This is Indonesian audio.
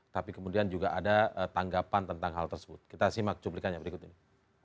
tapi kemudian juga ada tanggapan tentang hal tersebut kita simak cuplikannya berikut ini